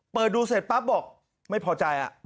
เปิดดูเสร็จปั๊บบอกไม่พอใจ